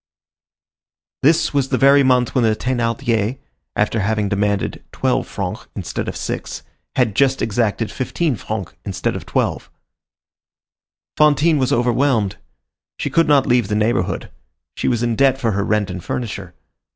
This was the very month when the Thénardiers, after having demanded twelve francs instead of six, had just exacted fifteen francs instead of twelve. Fantine was overwhelmed. She could not leave the neighborhood; she was in debt for her rent and furniture.